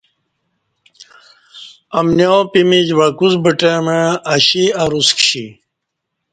امنیاں پمیچ وعکوس بٹہ مع اشی ا رس کشی